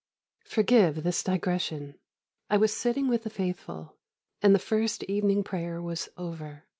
Forgive this digression. I was sitting with the Faithful, and the first evening prayer was over.